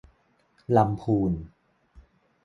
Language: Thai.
ลำพูน